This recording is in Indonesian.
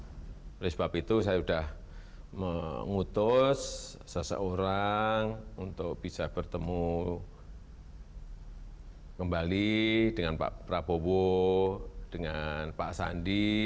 oleh sebab itu saya sudah mengutus seseorang untuk bisa bertemu kembali dengan pak prabowo dengan pak sandi